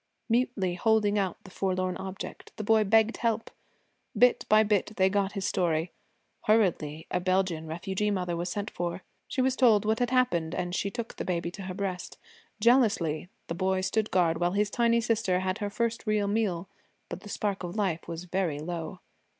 Mutely holding out the forlorn object, the boy begged help. Bit by bit they got his story. Hurriedly a Belgian Refugee mother was sent for. She was told what had happened, and she took the baby to her breast. Jealously the boy stood guard while his tiny sister had her first real meal. But the spark of life was very low.